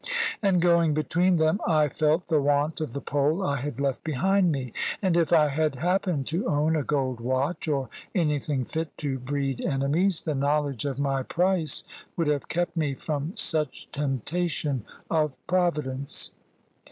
And going between them I felt the want of the pole I had left behind me. And if I had happened to own a gold watch, or anything fit to breed enemies, the knowledge of my price would have kept me from such temptation of Providence.